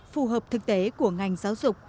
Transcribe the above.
phù hợp thực tế của ngành giáo dục